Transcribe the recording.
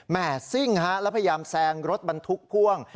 ซิ่งฮะแล้วพยายามแซงรถบรรทุกพ่วง